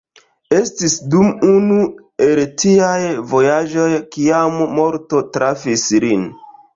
Estis dum unu el tiaj vojaĝoj kiam morto trafis lin.